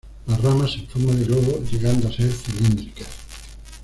Las ramas en forma de globo, llegando a ser cilíndricas.